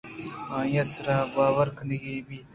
آئی ءِ سرا باور کنگ بیت